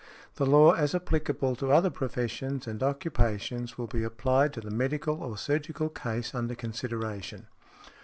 The law as applicable to other professions and occupations will be applied to the medical or surgical case under consideration.